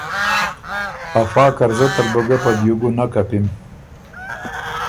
افا قرضۀ تل بُو ګۀ په دیوګُنه کپِم“